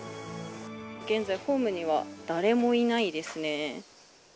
現在ホームには誰もいないですね。